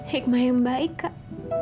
hikmah yang baik kak